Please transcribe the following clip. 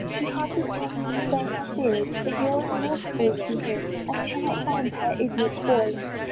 She hardly can sustain her fears; The roaring water fall she hears, And cannot find her idiot boy.